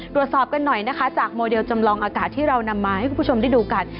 ตรวจสอบกันหน่อยนะคะจากโมเดลจำลองอากาศที่เรานำมาให้คุณผู้ชมได้ดูกัน